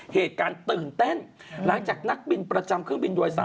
เหตุการณ์ตื่นเต้นหลังจากนักบินประจำเครื่องบินโดยสาร